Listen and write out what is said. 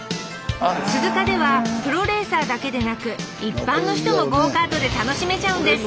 鈴鹿ではプロレーサーだけでなく一般の人もゴーカートで楽しめちゃうんです